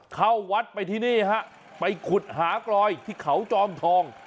เข้าวัดไปที่นี่ฮะไปขุดหากลอยที่เขาจอมทอง